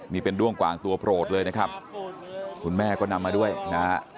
นี่เป็นด้วงกวางตัวโปรดเลยนะครับคุณแม่ก็นำมาด้วยนะฮะ